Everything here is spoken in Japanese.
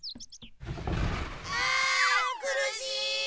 あ苦しい！